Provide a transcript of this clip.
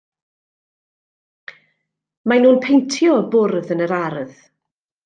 Maen nhw'n peintio y bwrdd yn yr ardd.